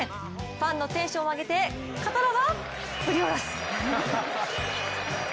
ファンのテンションを上げて刀は振り下ろす。